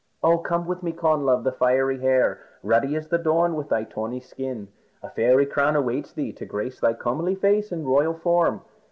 Oh, come with me, Connla of the Fiery Hair, ruddy as the dawn with thy tawny skin. A fairy crown awaits thee to grace thy comely face and royal form.